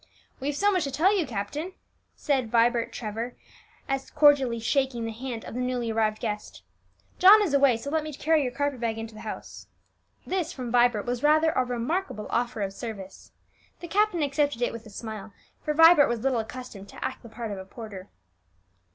"We've so much to tell you, captain," said Vibert Trevor, cordially shaking the hand of the newly arrived guest. "John is away, so let me carry your carpet bag into the house." This, from Vibert, was rather a remarkable offer of service. The captain accepted it with a smile, for Vibert was little accustomed to act the part of a porter.